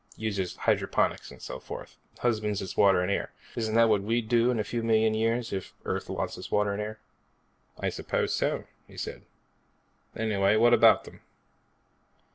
Uses hydroponics and so forth, husbands its water and air. Isn't that what we'd do, in a few million years, if Earth lost its water and air?" "I suppose so," he said. "Anyway, what about them?"